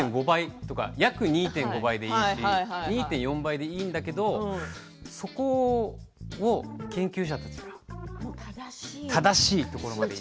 約２．５倍でいいんだけどそこを研究者たちが正しいところまで。